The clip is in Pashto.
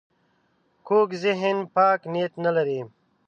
کوږ ذهن پاک نیت نه لري